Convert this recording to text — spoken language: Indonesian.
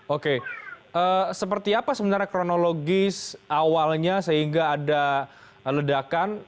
oke seperti apa sebenarnya kronologis awalnya sehingga ada ledakan